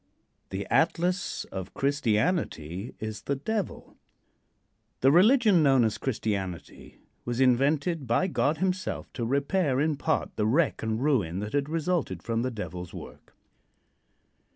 II. THE ATLAS OF CHRISTIANITY IS THE DEVIL. The religion known as "Christianity" was invented by God himself to repair in part the wreck and ruin that had resulted from the Devil's work.